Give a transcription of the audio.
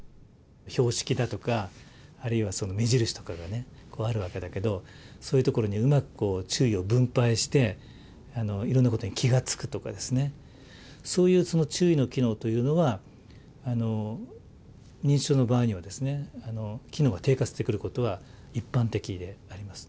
標識だとかあるいはその目印とかがねあるわけだけどそういうところにうまく注意を分配していろんなことに気が付くとかそういうその注意の機能というのは認知症の場合には機能が低下してくることは一般的であります。